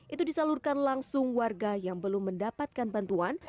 itu disalurkan langsung warga yang belum mendapatkan bantuan